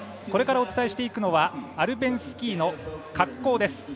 これからお伝えしていくのはアルペンスキーの滑降です。